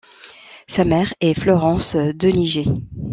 Sa mère est Florence Deniger.